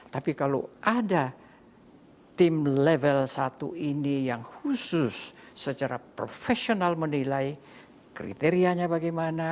tapi kalau ada tim level satu ini yang khusus secara profesional menilai kriterianya bagaimana